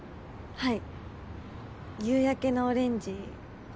はい。